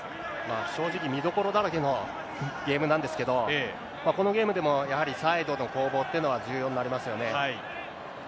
正直、見どころだらけのゲームなんですけど、このゲームでもやはりサイドの攻防というのは重要になりますよね。